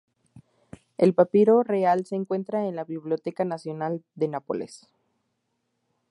El papiro real se encuentra en la Biblioteca Nacional de Nápoles.